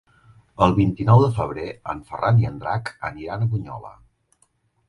El vint-i-nou de febrer en Ferran i en Drac aniran a Bunyola.